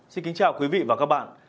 xin kính chào quý vị và các bạn